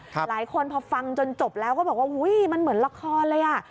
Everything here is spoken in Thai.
หลายคนพอฟังจนจบแล้วก็บอกว่าอุ้ยมันเหมือนละครเลยอ่ะ